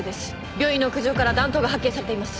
病院の屋上から弾頭が発見されています。